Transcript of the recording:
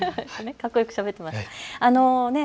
かっこよくしゃべっていましたね。